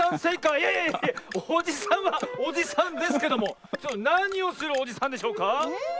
いやいやいやおじさんはおじさんですけどもなにをするおじさんでしょうか？